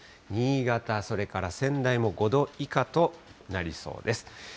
新潟それから仙台も５度以下となりそうです。